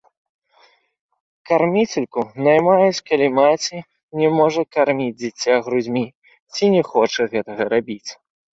Карміцельку наймаюць калі маці не можа карміць дзіця грудзьмі ці не хоча гэтага рабіць.